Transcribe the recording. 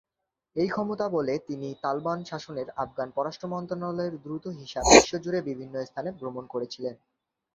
এই ক্ষমতাবলে তিনি তালেবান শাসনের আফগান পররাষ্ট্র মন্ত্রণালয়ের দূত হিসাবে বিশ্বজুড়ে বিভিন্ন স্থানে ভ্রমণ করেছিলেন।